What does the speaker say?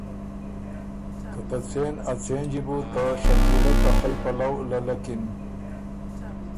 که ته څېن ا څېنجی بو ته شکیله ته خئ پلؤ للکِن۔